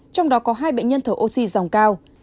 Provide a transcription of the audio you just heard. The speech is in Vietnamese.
trong đó có hai bệnh nhân thở oxy dòng cao